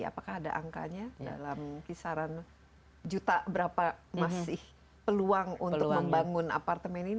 apakah ada angkanya dalam kisaran juta berapa masih peluang untuk membangun apartemen ini